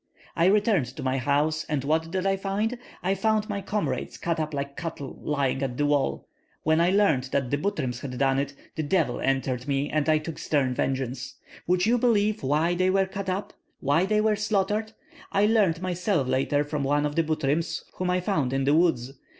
I returned to my house, and what did I find? I found my comrades cut up like cattle, lying at the wall. When I learned that the Butryms had done this, the devil entered me, and I took stern vengeance. Would you believe why they were cut up, why they were slaughtered? I learned myself later from one of the Butryms, whom I found in the woods.